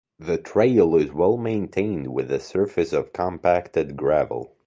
The trail is well maintained with a surface of compacted gravel.